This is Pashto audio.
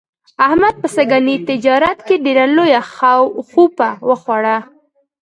احمد په سږني تجارت کې ډېره لویه غوپه و خوړله.